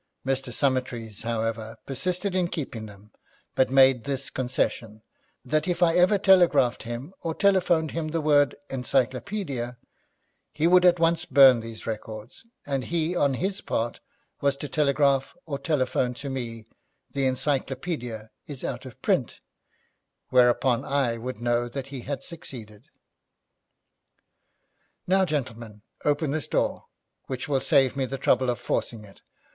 Mr. Summertrees, however, persisted in keeping them, but made this concession, that if I ever telegraphed him or telephoned him the word "Encyclopaedia", he would at once burn these records, and he, on his part, was to telegraph or telephone to me "The Encyclopaedia is out of print," whereupon I would know that he had succeeded. 'Now, gentlemen, open this door, which will save me the trouble of forcing it.